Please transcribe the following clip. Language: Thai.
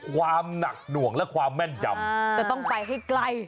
ความหนักหน่วงและความแม่นยำจะต้องไปให้ใกล้